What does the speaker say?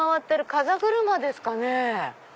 風車ですかね。